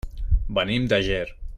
Venim de Ger.